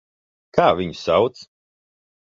Kā viņu sauc?